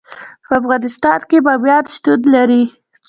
په افغانستان کې بامیان شتون لري.